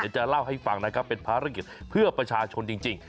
จะเล่าให้ฟังนะครับเป็นภารกิจเพื่อประชาชนจริง